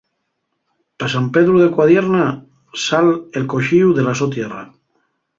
Pa San Pedru de Cuadierna sal el coxíu de so la tierra.